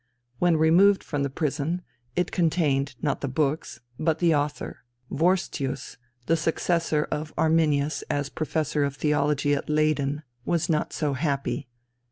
When removed from the prison it contained, not the books, but the author. Vorstius, the successor of Arminius as Professor of Theology at Leyden, was not so happy.